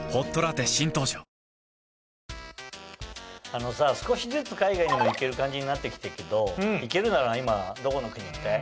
あのさ少しずつ海外にも行ける感じになって来てるけど行けるなら今どこの国行きたい？